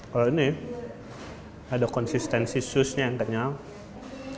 kalau ini ada konsistensi susnya yang kenyal